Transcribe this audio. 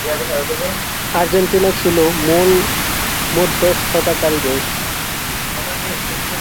Argentina ছিল মূল মধ্যস্থতাকারী দেশ।